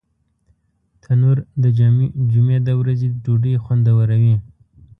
تنور د جمعې د ورځې ډوډۍ خوندوروي